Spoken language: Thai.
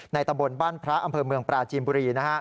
ในตบนบ้านภรรยาห้องเมืองปราจีนบุรี